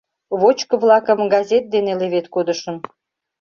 Вочко-влакым газет дене левед кодышым.